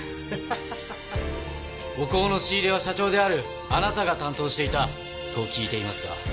お香の仕入れは社長であるあなたが担当していたそう聞いていますが。